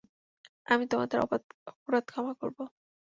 আমি তোমাদের অপরাধ ক্ষমা করব।